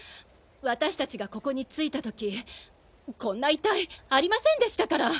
私達がここに着いた時こんな遺体ありませんでしたから！